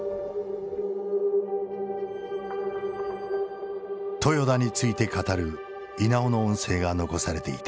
豊田について語る稲尾の音声が残されていた。